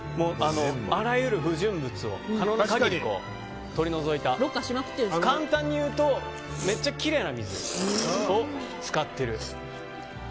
あらゆる不純物を可能な限り取り除いた簡単にいうとめっちゃきれいな水を使ってる。